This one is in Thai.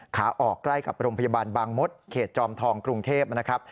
ขาออกใกล้กับโรงพยาบาลบางมดเขตจอมทองกรุงเทพนะครับ